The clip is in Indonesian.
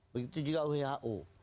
begitu juga who